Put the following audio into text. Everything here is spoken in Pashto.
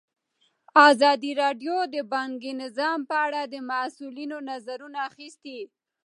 ازادي راډیو د بانکي نظام په اړه د مسؤلینو نظرونه اخیستي.